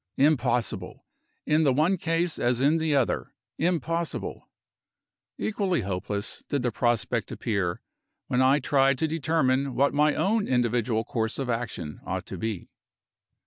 Impossible! In the one case as in the other, impossible! Equally hopeless did the prospect appear, when I tried to determine what my own individual course of action ought to be.